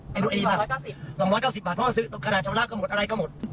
เพราะว่าซื้อขนาดชะละก็หมดอะไรก็หมด